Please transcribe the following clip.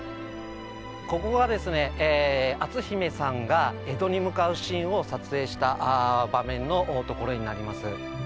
ここがですね篤姫さんが江戸に向かうシーンを撮影した場面のところになります。